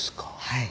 はい。